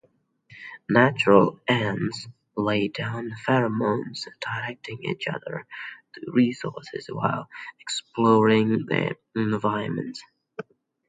Natural ants lay down pheromones directing each other to resources while exploring their environment.